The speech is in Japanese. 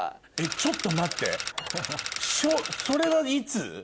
ちょっと待ってそれはいつ？